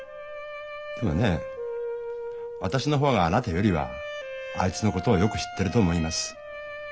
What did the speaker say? でもね私の方があなたよりはあいつのことをよく知ってると思います。